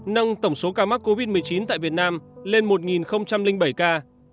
nâng tổng số ca mắc covid một mươi chín tại việt nam lên một bảy ca